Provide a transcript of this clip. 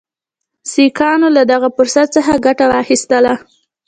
سیکهانو له دغه فرصت څخه ګټه واخیستله.